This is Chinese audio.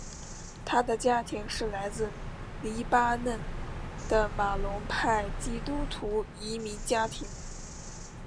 他的家庭是来自黎巴嫩的马龙派基督徒移民家庭。